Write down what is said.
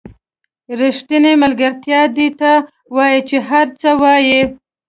ریښتینې ملګرتیا دې ته وایي چې هر څه وایئ.